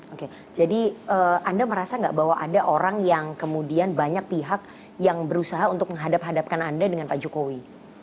oke jadi anda merasa nggak bahwa ada orang yang kemudian banyak pihak yang berusaha untuk menghadap hadapkan anda dengan pak jokowi